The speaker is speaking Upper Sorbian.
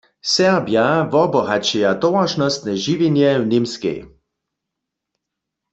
Serbja wobohaćeja towaršnostne žiwjenje w Němskej.